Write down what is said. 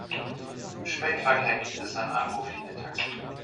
Im Spätverkehr gibt es ein Anruf-Linientaxi.